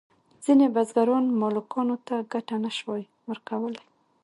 ځینې بزګران مالکانو ته ګټه نشوای ورکولی.